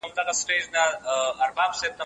خو د سړي غوړه مالۍ هغوی له خپلې دندې غافل کړل.